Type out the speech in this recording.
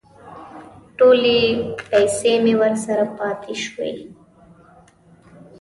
ټولې پیسې مې ورسره پاتې شوې.